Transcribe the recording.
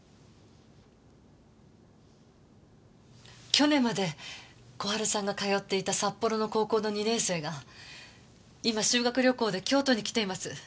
去年まで小春さんが通っていた札幌の高校の２年生が今修学旅行で京都に来ています。